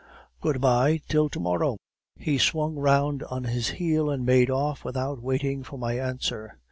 Good bye till to morrow.' "He swung round on his heel and made off without waiting for my answer.